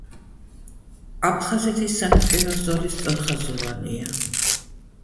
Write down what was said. აფხაზეთის სანაპირო ზოლი სწორხაზოვანია.